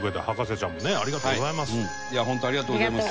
いや本当ありがとうございます。